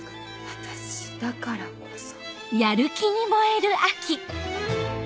「私だからこそ」。